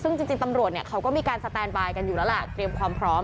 ซึ่งจริงตำรวจเนี่ยเขาก็มีการสแตนบายกันอยู่แล้วล่ะเตรียมความพร้อม